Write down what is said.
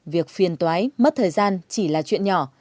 việc phiền toái mất thời gian chỉ là chuyện nhỏ